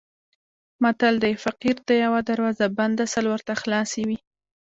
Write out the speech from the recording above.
متل دی: فقیر ته یوه دروازه بنده سل ورته خلاصې وي.